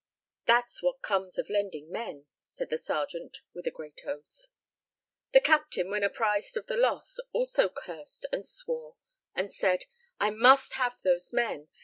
"That's what comes of lending men," said the sergeant with a great oath. The captain, when apprised of the loss, also cursed and swore and said, "I must have those men.